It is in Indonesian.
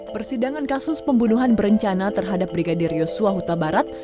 persidangan kasus pembunuhan berencana terhadap brigadir yosua huta barat